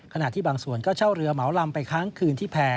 ขณะที่บางส่วนก็เช่าเรือเหมาลำไปค้างคืนที่แพร่